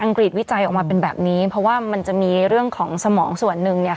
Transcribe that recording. กฤษวิจัยออกมาเป็นแบบนี้เพราะว่ามันจะมีเรื่องของสมองส่วนหนึ่งเนี่ย